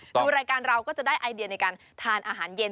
ดูรายการเราก็จะได้ไอเดียในการทานอาหารเย็น